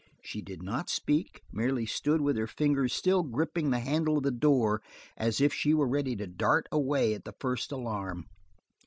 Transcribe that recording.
She did not speak; merely stood with her fingers still gripping the handle of the door as if she were ready to dart away at the first alarm.